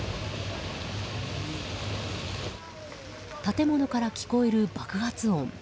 建物から聞こえる爆発音。